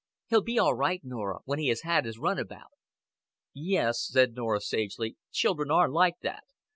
"He'll be all right, Norah, when he has had his run about." "Yes," sad Norah sagely, "children are like that.